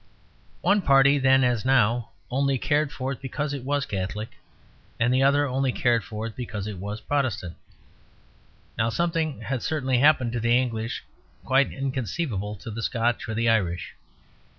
One party, then as now, only cared for it because it was Catholic, and the other only cared for it because it was Protestant. Now, something had certainly happened to the English quite inconceivable to the Scotch or the Irish.